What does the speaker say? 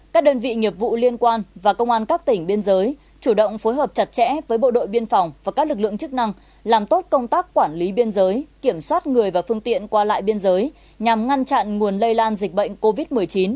các đơn vị nghiệp vụ liên quan và công an các tỉnh biên giới chủ động phối hợp chặt chẽ với bộ đội biên phòng và các lực lượng chức năng làm tốt công tác quản lý biên giới kiểm soát người và phương tiện qua lại biên giới nhằm ngăn chặn nguồn lây lan dịch bệnh covid một mươi chín